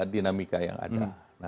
dinamika yang ada